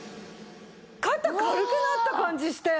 肩軽くなった感じがして。